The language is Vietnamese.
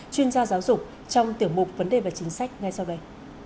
chuyên gia giáo dục trong tiểu mục vấn đề và chính sách ngay sau đây